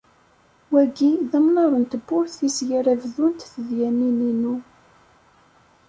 Wagi d amnaṛ n tewwurt i seg ara bdunt tedyanin inu.